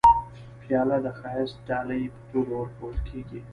پیاله د ښایسته ډالۍ په توګه ورکول کېږي.